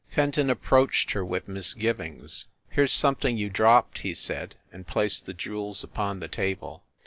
Fenton approached her with misgivings. "Here s something you dropped," he said, and placed the jewels upon the table.